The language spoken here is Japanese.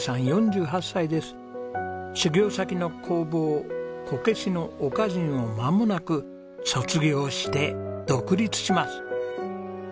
修業先の工房こけしの岡仁をまもなく卒業して独立します。